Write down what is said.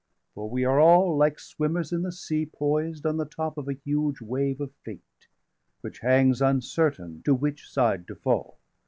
For we are all, like swimmers in the sea, 390 Poised on the top of a huge wave of fate, Which hangs uncertain to which side to fall.